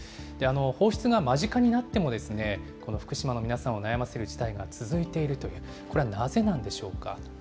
放出が間近になっても、この福島の皆さんを悩ませる事態が続いているという、これはなぜなんでしょうか。